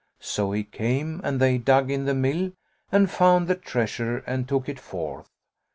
So he came and they dug in the mill and found the treasure and took it forth.